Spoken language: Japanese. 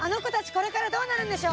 これからどうなるんでしょう？